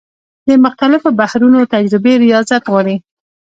د مختلفو بحرونو تجربې ریاضت غواړي.